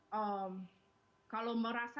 mencari warga yang berada di sana